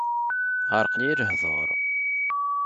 Ɛerqen-iyi lehduṛ.